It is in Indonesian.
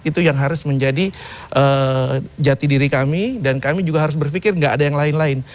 itu yang harus menjadi jati diri kami dan kami juga harus berpikir nggak ada yang lain lain